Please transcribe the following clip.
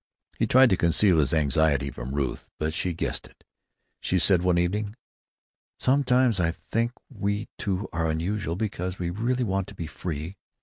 He tried to conceal his anxiety from Ruth, but she guessed it. She said, one evening: "Sometimes I think we two are unusual, because we really want to be free.